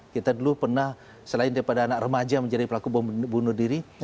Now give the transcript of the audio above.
kita dulu pernah selain daripada anak remaja menjadi pelaku bunuh diri